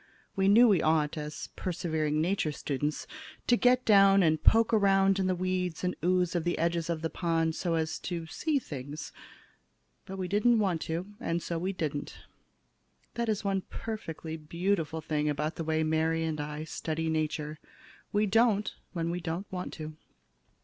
We knew we ought, as persevering Nature students, to get down and poke around in the weeds and ooze of the edges of the pond so as to see things. But we didn't want to do it, and so we didn't. That is one perfectly beautiful thing about the way Mary and I study Nature. We don't when we don't want to.